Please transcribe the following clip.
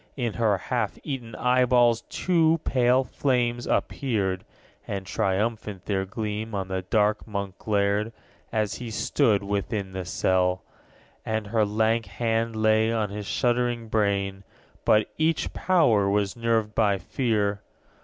In her half eaten eyeballs two pale flames appeared, And triumphant their gleam on the dark Monk glared, As he stood within the cell. _90 17. And her lank hand lay on his shuddering brain; But each power was nerved by fear.